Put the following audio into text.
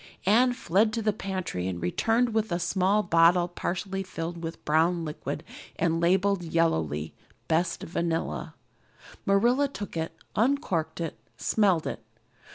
Anne fled to the pantry and returned with a small bottle partially filled with a brown liquid and labeled yellowly, "Best Vanilla." Marilla took it, uncorked it, smelled it.